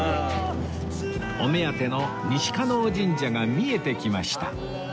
お目当ての西叶神社が見えてきました